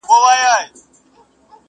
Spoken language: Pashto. خدای راکړې هره ورځ تازه هوا وه!!